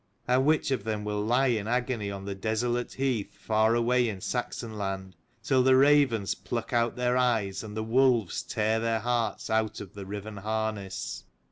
And which of them will lie in agony on the desolate heath far away in Saxon land, till the ravens 132 pluck out their eyes, and the wolves tear their hearts out of the riven harness?